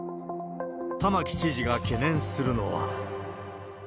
玉城知事が懸念するのは。